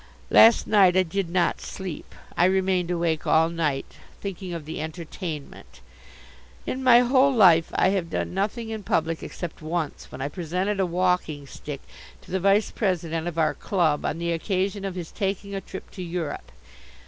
Last night I did not sleep. I remained awake all night thinking of the "entertainment." In my whole life I have done nothing in public except once when I presented a walking stick to the vice president of our club on the occasion of his taking a trip to Europe.